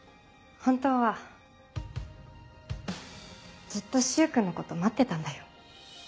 本当はずっと柊君のこと待ってたんだよ。